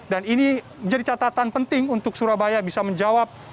dan ini jadi catatan penting untuk surabaya bisa menjawab